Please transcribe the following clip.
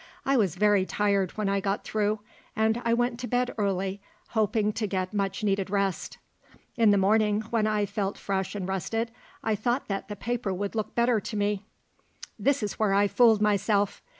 I was very tired when I got through, and I went to bed early, hoping to get much needed rest. In the morning, when I felt fresh and rested, I thought that the paper would look better to me. There is where I fooled myself.